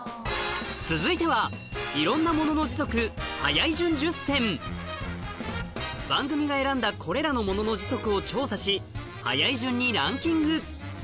続いては番組が選んだこれらのものの時速を調査し速い順にランキング